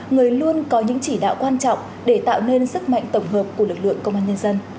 người luôn có những chỉ đạo quan trọng để tạo nên sức mạnh tổng hợp của lực lượng công an nhân dân